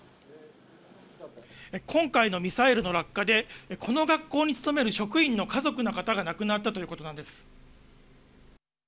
今回のミサイルの落下でこの学校に勤める職員の家族の方が亡くなったということなんです。